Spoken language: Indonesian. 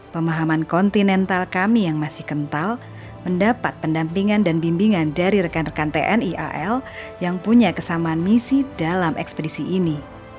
pemahaman kontinental kami yang masih kental mendapat pendampingan dan bimbingan dari rekan rekan tni al yang punya kesamaan misi dalam ekspedisi ini